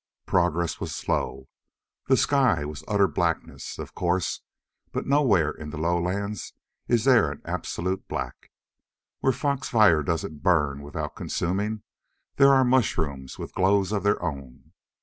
Progress was slow. The sky was utter blackness, of course, but nowhere in the lowlands is there an absolute black. Where fox fire doesn't burn without consuming, there are mushrooms with glows of their own.